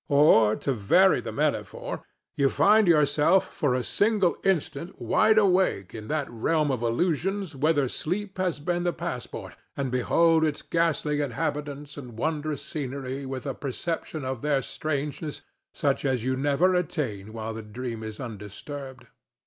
Or, to vary the metaphor, you find yourself for a single instant wide awake in that realm of illusions whither sleep has been the passport, and behold its ghostly inhabitants and wondrous scenery with a perception of their strangeness such as you never attain while the dream is undisturbed.